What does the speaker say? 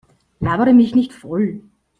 Labere mich nicht voll!